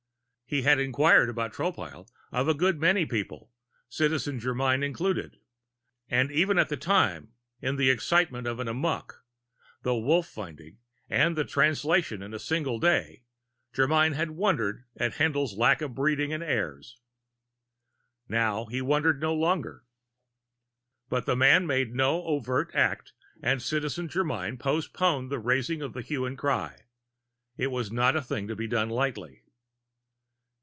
He had inquired about Tropile of a good many people, Citizen Germyn included, and even at that time, in the excitement of an Amok, a Wolf finding and a Translation in a single day, Germyn had wondered at Haendl's lack of breeding and airs. Now he wondered no longer. But the man made no overt act and Citizen Germyn postponed the raising of the hue and cry. It was not a thing to be done lightly.